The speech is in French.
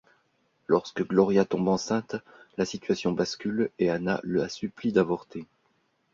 Lorsque Gloria tombe enceinte, la situation bascule et Ana la supplie d'avorter.